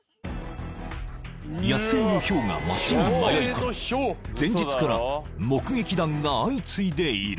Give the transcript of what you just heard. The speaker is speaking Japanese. ［野生のヒョウが街に迷い込み前日から目撃談が相次いでいる］